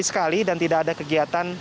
sekali dan tidak ada kegiatan